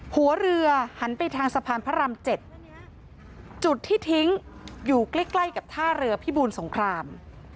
หัวเรือหันไปทางสะพานพระราม๗จุดที่ทิ้งอยู่ใกล้ใกล้กับท่าเรือพิบูลสงคราม